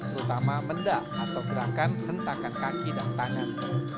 terutama mendak atau gerakan hentakan kaki dan tangan